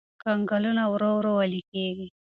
کنګلونه ورو ورو ويلي کېږي.